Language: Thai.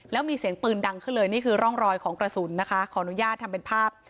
แล้วมีเสียงปืนดังขึ้นเลยนี่คือร่องรอยของกระสุนนะคะขออนุญาตทำเป็นภาพ